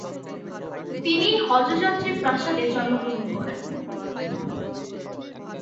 তিনি হজযাত্রী প্রাসাদে জন্মগ্রহণ করেন।